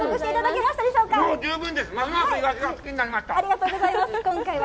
ありがとうございます。